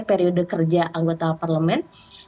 periode kerja anggota parlemen